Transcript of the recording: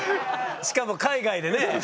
しかも海外でね。